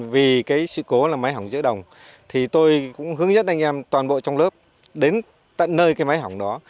vì cái sự cố là máy hỏng giữa đồng thì tôi cũng hướng dẫn anh em toàn bộ trong lớp đến tận nơi cái mái hỏng đó